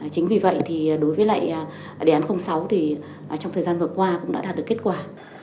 chính vì vậy thì đối với lại đề án sáu thì trong thời gian vừa qua cũng đã đạt được kết quả